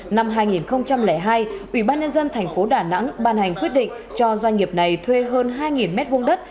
năm hai nghìn hai ủy ban nhân dân thành phố đà nẵng ban hành quyết định cho doanh nghiệp này thuê hơn hai m hai đất